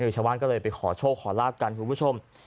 ชาวบ้านก็เลยไปขอโชคขอลาบกันคุณผู้ชม